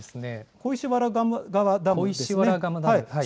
小石原川ダムですね。